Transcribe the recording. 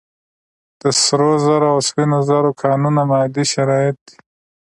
د سرو زرو او سپینو زرو کانونه مادي شرایط دي.